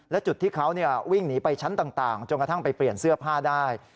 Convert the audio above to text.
และจุดที่เขาวิ่งหนีไปชั้นต่างจนกระทั่งไปเปลี่ยนเสื้อผ้าได้